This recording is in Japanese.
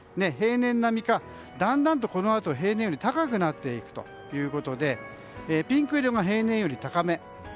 平年並みかだんだんと、このあと平年より高くなっていくということでピンク色が平年より高め。